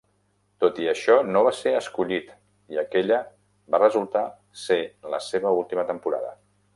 Tot i això, no va ser escollit i aquella va resultar ser la seva última temporada.